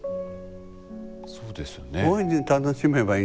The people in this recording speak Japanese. そうですよね。